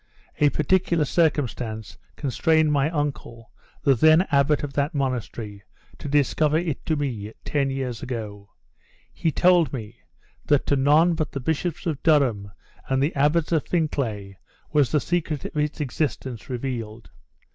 A particular circumstance constrained my uncle, the then abbot of that monastery, to discover it to me, ten years ago. He told me, that to none but the bishops of Durham and the abbots of Fincklay was the secret of its existence revealed.